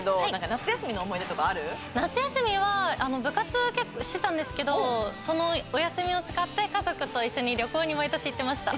夏休みは部活してたんですけどそのお休みを使って家族と一緒に旅行に毎年行ってました。